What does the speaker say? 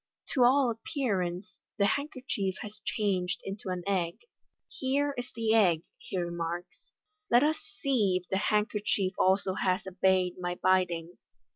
To all appearance, the handkerchief has changed into an egg. " Here is the egg,'' he remarks ;" let us see if the hand kerchief also has obeyed my bidding."